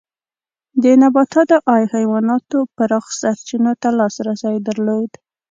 د نباتاتو او حیواناتو پراخو سرچینو ته لاسرسی درلود.